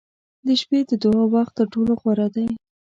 • د شپې د دعا وخت تر ټولو غوره دی.